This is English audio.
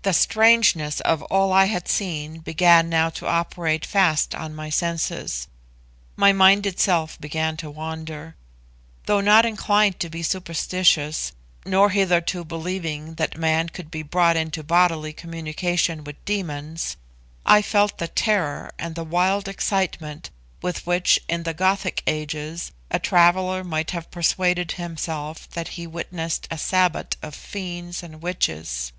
The strangeness of all I had seen began now to operate fast on my senses; my mind itself began to wander. Though not inclined to be superstitious, nor hitherto believing that man could be brought into bodily communication with demons, I felt the terror and the wild excitement with which, in the Gothic ages, a traveller might have persuaded himself that he witnessed a 'sabbat' of fiends and witches.